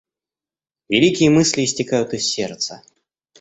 Великие мысли истекают из сердца.